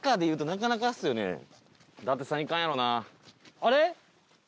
あれ？